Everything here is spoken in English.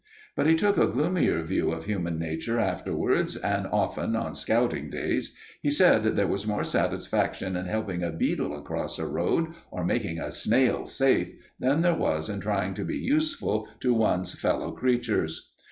But he took a gloomier view of human nature afterwards, and often, on scouting days, he said there was more satisfaction in helping a beetle across a road, or making a snail safe, than there was in trying to be useful to one's fellow creatures.